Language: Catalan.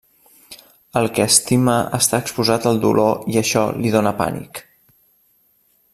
El que estima està exposat al dolor i això li dóna pànic.